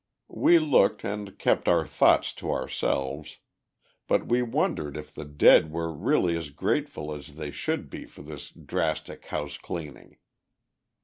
We looked and kept our thoughts to ourselves, but we wondered if the dead were really as grateful as they should be for this drastic house cleaning?